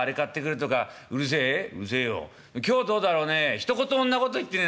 ひと言もそんなこと言ってねえ。